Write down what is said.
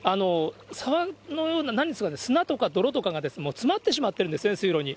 沢のような、砂とか泥とかがもう詰まってしまっているんですね、水路に。